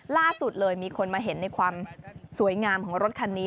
ล่าสุดเลยมีคนมาเห็นในความสวยงามของรถคันนี้